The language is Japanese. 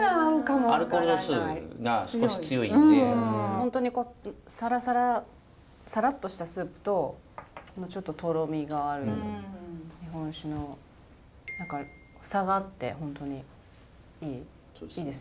本当にサラサラサラッとしたスープとちょっととろみがある日本酒の差があって本当にいいですね。